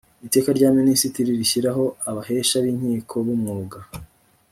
iteka rya minisitiri rishyiraho abahesha b’ inkiko b umwuga